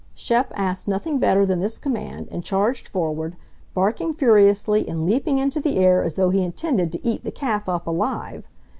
Shep asked nothing better than this command, and charged forward, barking furiously and leaping into the air as though he intended to eat the calf up alive.